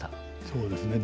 そうですね。